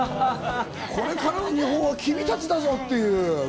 これからの日本は君たちだぞっていう。